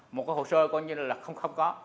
một hồ sơ coi như là không có